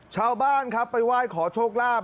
ชาวบ้านครับไปไหว้ขอโชคลาภ